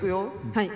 はい。